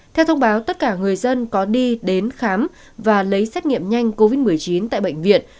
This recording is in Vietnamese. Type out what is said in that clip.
theo thông báo tất cả người dân có đi đến khám và lấy xét nghiệm nhanh covid một mươi chín tại bệnh viện